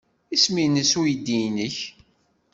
Isem-nnes uydi-nnek?